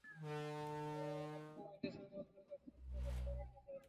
আমরা অনেক সময় দেশের মানুষের কাছে সত্য কথাটা বলতে চাই না।